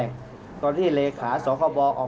เพราะฉะนั้นไปได้รับจดหมายชอบแรกคือวันที่๒๔นะครับ